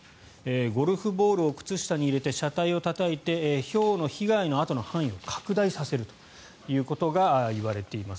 ゴルフボールを靴下に入れて車体をたたいてひょうの被害の跡の範囲を拡大させるということがいわれています。